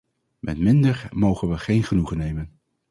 Met minder mogen we geen genoegen nemen.